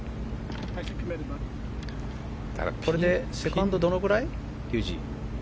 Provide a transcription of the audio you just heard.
これでセカンド、どれくらい？